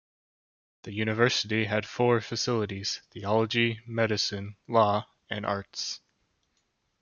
The university had four faculties: Theology, Medicine, Law and Arts.